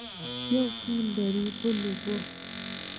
یوه تېل لري بل اوبه.